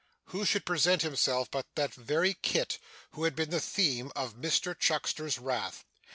Who should present himself but that very Kit who had been the theme of Mr Chuckster's wrath!